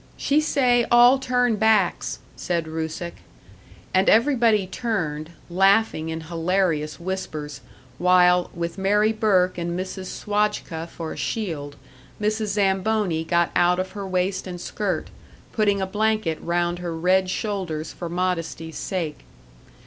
"She say all turn backs," said Rusick. And everybody turned, laughing in hilarious whispers, while, with Mary Burke and Mrs. Swajka for a shield, Mrs. Zamboni got out of her waist and skirt, putting a blanket round her red shoulders for modesty's sake.